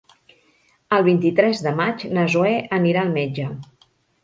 El vint-i-tres de maig na Zoè anirà al metge.